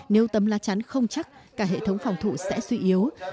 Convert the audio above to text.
nếu tấm lá chắn không chắc cả hệ thống phòng thủ sẽ suy yếu